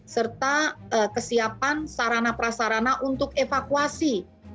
serta kesiapan sarana prasarana untuk evakuasi